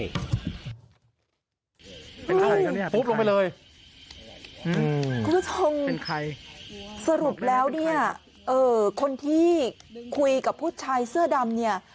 ลงไปเลยคุณผู้ชมเป็นใครสรุปแล้วเนี่ยเอ่อคนที่คุยกับผู้ชายเสื้อดำเนี่ย